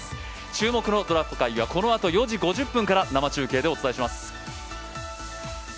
注目のドラフト会議はこのあと４時５０分から生中継でお伝えします